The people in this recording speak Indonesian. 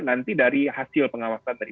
nanti dari hasil pengawasan dari